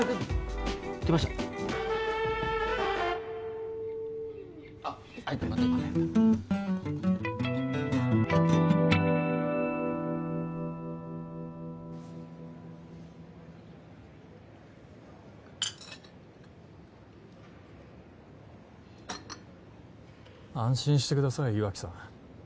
来ましたあっまたやった安心してください岩城さん